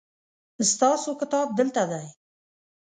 ستاسو کتاب دلته دی